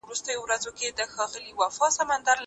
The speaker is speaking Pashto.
زه به کتاب ليکلی وي؟!